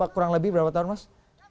kurang lebih berapa tahun mas